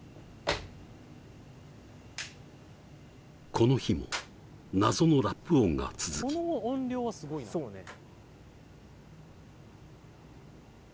この日も謎のラップ音が続きこの音量はすごいなそうね